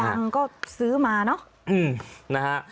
อย่างก็ซื้อมาเนาะ